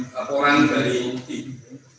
laporan dari tim